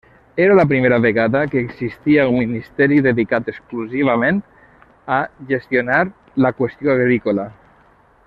Era la primera vegada que existia un Ministeri dedicat exclusivament a gestionar la qüestió agrícola.